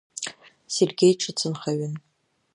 Сергеи ҿыцынхаҩын.